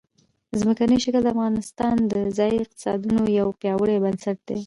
ځمکنی شکل د افغانستان د ځایي اقتصادونو یو پیاوړی بنسټ دی.